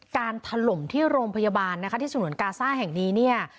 การถล่มที่โรงพยาบาลที่ถนนกาซ่าแห่งนี้